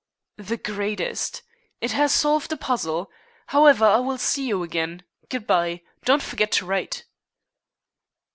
"The greatest. It has solved a puzzle. However, I will see you again. Good bye. Don't forget to write."